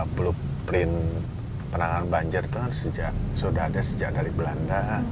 blueprint penanganan banjir itu kan sudah ada sejak dari belanda